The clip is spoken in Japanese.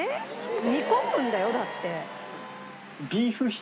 煮込むんだよだって。